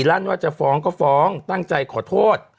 ลั่นว่าจะฟ้องก็ฟ้องตั้งใจขอโทษ